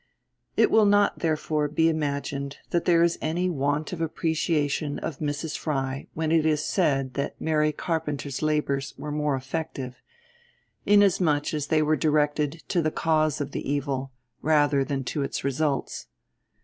It will not therefore be imagined that there is any want of appreciation of Mrs. Fry when it is said that Mary Carpenter's labours were more effective, inasmuch as they were directed to the cause of the evil, rather than to its results.